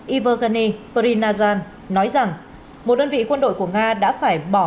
ivergani prynazhan nói rằng một đơn vị quân đội của nga đã phải bỏ